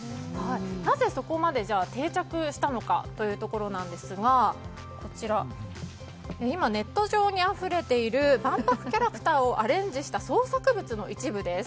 なぜ、そこまで定着したのかというところなんですが今、ネット上にあふれている万博キャラクターをアレンジした創作物の一部です。